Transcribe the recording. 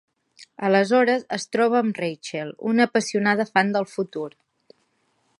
Aleshores es troba amb Rachael, una apassionada fan del futur.